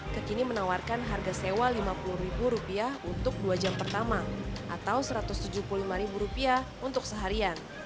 kekini menawarkan harga sewa lima puluh ribu rupiah untuk dua jam pertama atau satu ratus tujuh puluh lima ribu rupiah untuk seharian